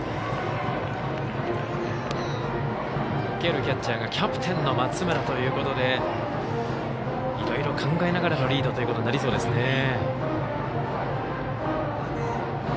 受けるキャッチャーがキャプテンの松村ということでいろいろ考えながらのリードとなりそうですね。